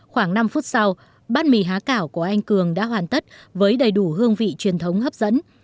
khoảng năm phút sau bát mì há cảo của anh cường đã hoàn tất với đầy đủ hương vị truyền thống hấp dẫn